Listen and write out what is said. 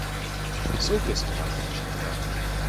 Jsou pěstovány zřídka.